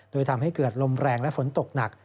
โดยทำให้เกิดลมแรงและฝนตกหนัก